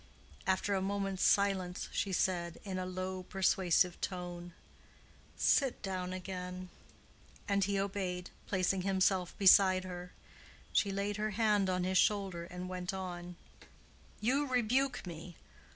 After a moment's silence she said, in a low, persuasive tone, "Sit down again," and he obeyed, placing himself beside her. She laid her hand on his shoulder and went on, "You rebuke me.